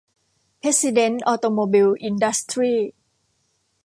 เพรสซิเด้นท์ ออโตโมบิล อินดัสทรีส์